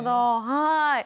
はい。